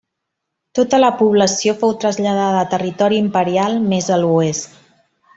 Tota la població fou traslladada a territori imperial mes a l'oest.